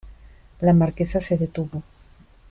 la Marquesa se detuvo.